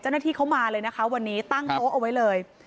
เจ้าหน้าที่เขามาเลยนะคะวันนี้ตั้งโต๊ะเอาไว้เลย